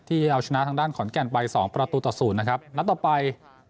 ที่เอาชนะทางด้านขอนแก่นไปสองประตูต่อศูนย์นะครับแล้วต่อไป